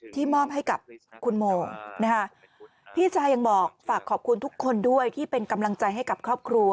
มอบให้กับคุณโมนะคะพี่ชายยังบอกฝากขอบคุณทุกคนด้วยที่เป็นกำลังใจให้กับครอบครัว